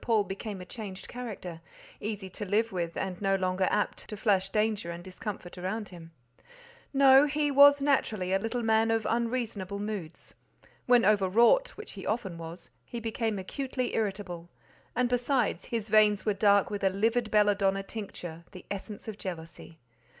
Paul became a changed character—easy to live with, and no longer apt to flash danger and discomfort round him. No; he was naturally a little man of unreasonable moods. When over wrought, which he often was, he became acutely irritable; and, besides, his veins were dark with a livid belladonna tincture, the essence of jealousy.